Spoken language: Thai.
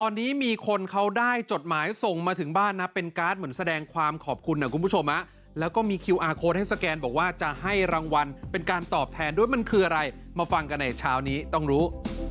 ตอนนี้มีคนเขาได้จดหมายส่งมาถึงบ้านนะเป็นการ์ดเหมือนแสดงความขอบคุณนะคุณผู้ชมแล้วก็มีคิวอาร์โค้ดให้สแกนบอกว่าจะให้รางวัลเป็นการตอบแทนด้วยมันคืออะไรมาฟังกันในเช้านี้ต้องรู้